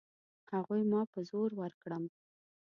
هغوی ما په زور ورکړم.